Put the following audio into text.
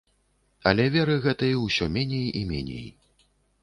Але веры гэтай усё меней і меней.